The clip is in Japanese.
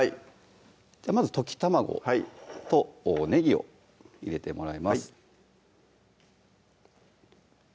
まず溶き卵とねぎを入れてもらいます